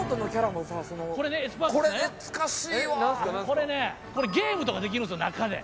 これねこれゲームとかできるんですよ中で。